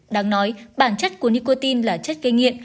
đáng nói bản chất của nicotin là chất gây nghiện